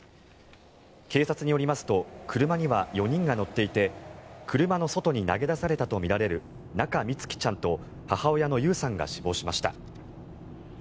警察によりますと車には４人が乗っていて車の外に投げ出されたとみられる中美月ちゃんと母親の優さんが死亡しました。